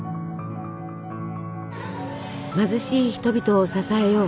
貧しい人々を支えよう。